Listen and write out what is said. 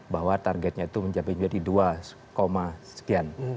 bahwa targetnya itu mencapai menjadi dua sekian